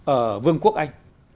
ở vương quốc anh